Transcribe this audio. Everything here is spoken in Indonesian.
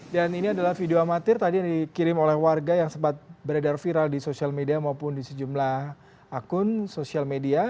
dan ini adalah video amatir tadi yang dikirim oleh warga yang sempat beredar viral di sosial media maupun di sejumlah akun sosial media